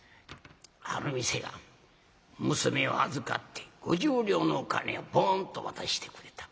ある店が娘を預かって５０両のお金をポンと渡してくれた。